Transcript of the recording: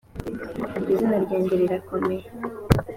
iryo zina ryanjye rirakomeye